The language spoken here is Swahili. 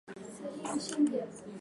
Kupika viazi bila kuvichemsha kwa maji